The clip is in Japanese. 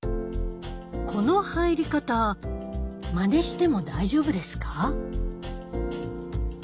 この入り方まねしても大丈夫ですか？